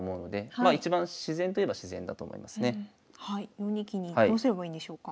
４二金にどうすればいいんでしょうか？